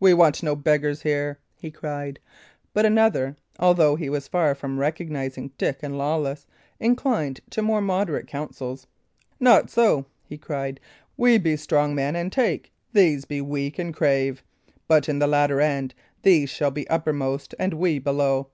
"We want no beggars here!" he cried. But another although he was as far from recognising Dick and Lawless inclined to more moderate counsels. "Not so," he cried. "We be strong men, and take; these be weak, and crave; but in the latter end these shall be uppermost and we below.